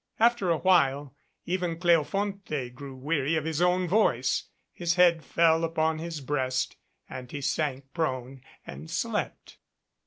After a while even Cleofonte grew weary of his own voice, his head fell upon his breast, and he sank prone and slept.